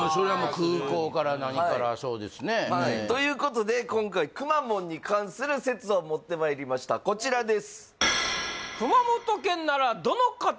空港から何からそうですねということで今回くまモンに関する説を持ってまいりましたこちらですえっ？